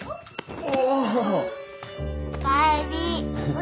お。